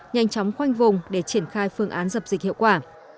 nhanh chóng khoanh vùng để triển khai phương án dập dịch hiệu quả